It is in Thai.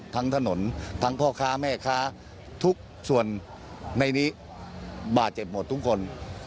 ทั้งถนนทั้งพ่อค้าแม่ค้าทุกส่วนในนี้บาดเจ็บหมดทุกคน